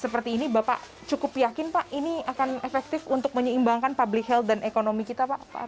seperti ini bapak cukup yakin pak ini akan efektif untuk menyeimbangkan public health dan ekonomi kita pak